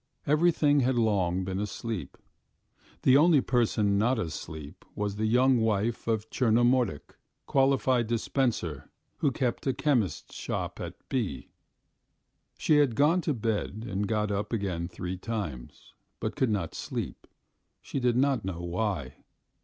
Everything had long been asleep. The only person not asleep was the young wife of Tchernomordik, a qualified dispenser who kept a chemist's shop at B . She had gone to bed and got up again three times, but could not sleep, she did not know why.